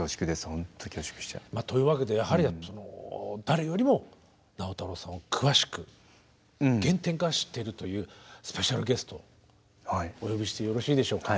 ほんと恐縮しちゃう。というわけでやはり誰よりも直太朗さんを詳しく原点から知っているというスペシャルゲストお呼びしてよろしいでしょうか。